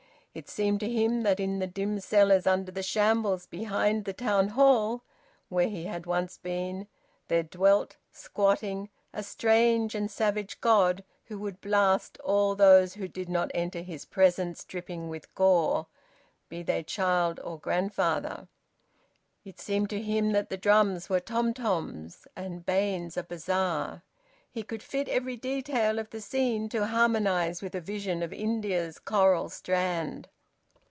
It seemed to him that in the dim cellars under the shambles behind the Town Hall, where he had once been, there dwelt, squatting, a strange and savage god who would blast all those who did not enter his presence dripping with gore, be they child or grandfather. It seemed to him that the drums were tom toms, and Baines's a bazaar. He could fit every detail of the scene to harmonise with a vision of India's coral strand.